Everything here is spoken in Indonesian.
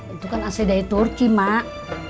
itu kan asli dari turki mak